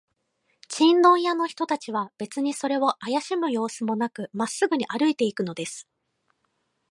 チンドン屋の人たちは、べつにそれをあやしむようすもなく、まっすぐに歩いていくのです。